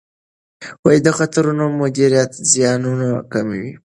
د خطرونو مدیریت زیانونه کموي.